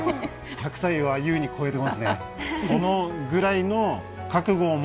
１００歳は優に超えてますね